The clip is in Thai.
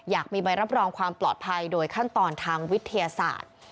อยากมีใบรับรองความปลอดภัยโดยขั้นตอนทางวิทยาศาสตร์